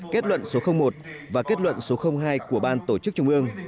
kết luận số một và kết luận số hai của ban tổ chức trung ương